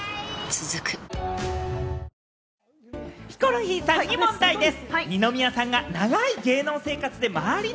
続くヒコロヒーさんに問題です。